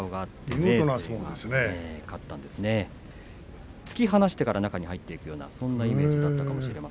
明生が突き放してから中に入っていくようなイメージでした。